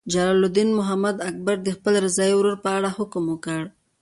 جلال الدین محمد اکبر د خپل رضاعي ورور په اړه حکم وکړ.